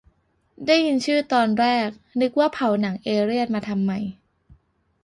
ได้ยินชื่อตอนแรก นึกว่าเผาหนังเอเลี่ยนมาทำใหม่